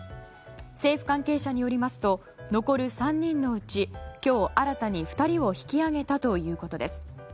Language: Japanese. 政府関係者によりますと残る３人のうち今日、新たに２人を引き揚げたということです。